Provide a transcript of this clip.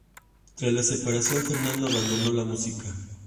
Tras la separación, Fernando abandonó la música.